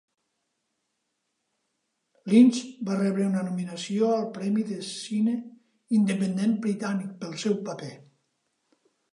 Lynch va rebre una nominació al premi de cine independent britànic pel seu paper.